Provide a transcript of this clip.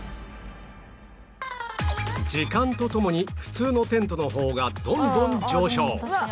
時間とともに普通のテントの方がどんどん上昇